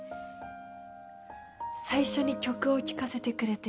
最初に曲を聴かせてくれて